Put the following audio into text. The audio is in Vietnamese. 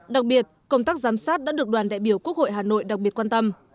đặc biệt công tác giám sát đã được đoàn đại biểu quốc hội hà nội đặc biệt quan tâm